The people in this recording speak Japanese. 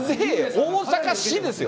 大阪市ですよ。